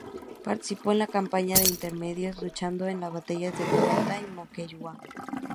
Participó en la Campaña de Intermedios, luchando en las batallas de Torata y Moquegua.